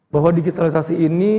bahwa digitalisasi ini